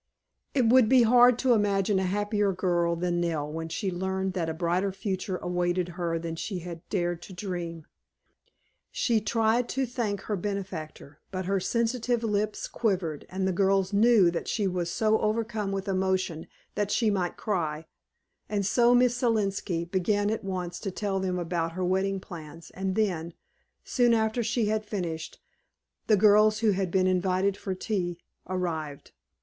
It would be hard to imagine a happier girl than Nell when she learned that a brighter future awaited her than she had dared to dream. She tried to thank her benefactor, but her sensitive lips quivered and the girls knew that she was so overcome with emotion that she might cry, and so Miss Selenski began at once to tell them about her wedding plans, and then, soon after she had finished, the girls who had been invited for tea arrived.